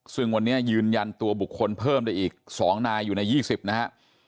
ซึ่งวันนี้ยืนยันตัวบุคคลเพิ่มได้อีก๒นายอยู่ใน๒๐นะฮะ